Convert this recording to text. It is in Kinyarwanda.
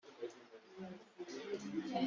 abo bari ni bo bamushaka